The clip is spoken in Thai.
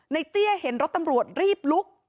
เตี้ยเห็นรถตำรวจรีบลุก